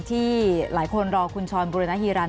ที่หลายคนรอคุณชรบุรณฮีรันด